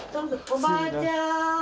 おばあちゃん。